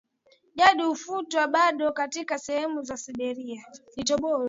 jadi hufuatwa bado katika sehemu za Siberia